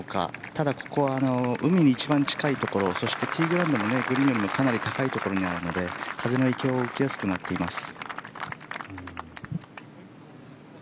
ただ、ここは海に一番近いところそしてティーグラウンドもグリーンよりかなり高いところにあるので風の影響を受けやすくなっています。